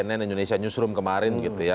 cnn indonesia newsroom kemarin gitu ya